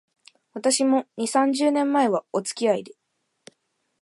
私も、二、三十年前は、おつきあいで